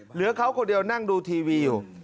เหลือเขาคนเดียวนั่งดูทีวีอยู่